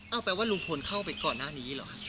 เอาแปลว่าลุงพลเข้าไปก่อนหน้านี้เหรอฮะ